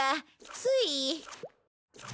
つい。